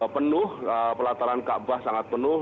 penuh pelataran kaabah sangat penuh